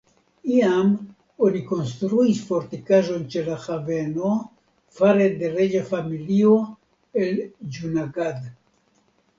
Iam oni konstruis fortikaĵon ĉe la haveno fare de reĝa familio el Ĝunagad.